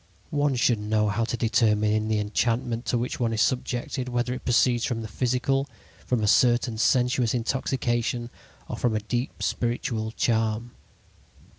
One should know how to determine in the enchantment to which one is subjected whether it proceeds from the physical, from a certain sensuous intoxication, or from a deep spiritual charm.